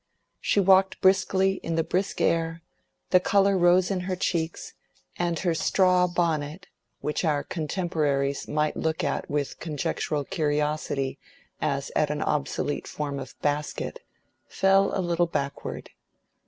She walked briskly in the brisk air, the color rose in her cheeks, and her straw bonnet (which our contemporaries might look at with conjectural curiosity as at an obsolete form of basket) fell a little backward.